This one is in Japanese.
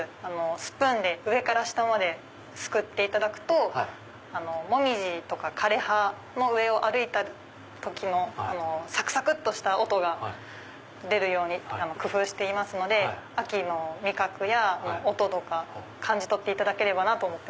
スプーンで上から下まですくっていただくとモミジとか枯れ葉の上を歩いた時のサクサクっとした音が出るように工夫していますので秋の味覚や音を感じ取っていただければと。